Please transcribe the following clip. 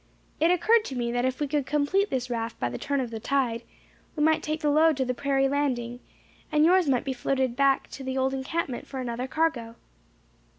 "It occurred to me that if we could complete this raft by the turn of the tide, we might take the load to the prairie landing, and yours might be floated hack to the old encampment for another cargo."